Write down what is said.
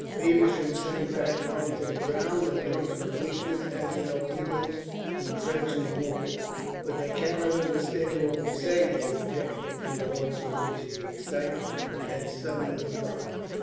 Feversham sank back on to the ground as much from weakness as in obedience to Trench's warning. "But they cannot understand what we say," he objected in a voice from which the excitement had suddenly gone.